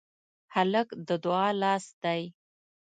هلک د دعا لاس دی.